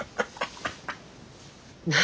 何？